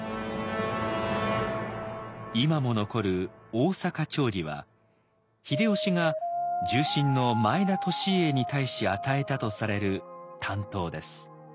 今も残る「大坂長義」は秀吉が重臣の前田利家に対し与えたとされる短刀です。